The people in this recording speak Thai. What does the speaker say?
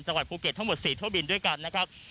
จังหวัดภูเก็ตทั้งหมด๔เที่ยวบินด้วยกันนะครับ